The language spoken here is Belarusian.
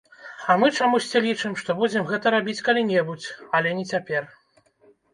А мы чамусьці лічым, што будзем гэта рабіць калі-небудзь, але не цяпер.